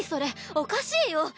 おかしいよ！